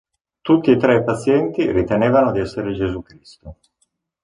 Tutti e tre i pazienti ritenevano di essere Gesù Cristo.